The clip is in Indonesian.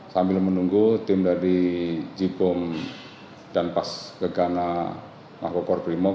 sambil menunggu tim dari jipom dan pas gagana mahkokor primok